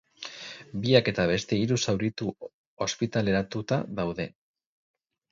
Biak eta beste hiru zauritu ospitaleratuta daude.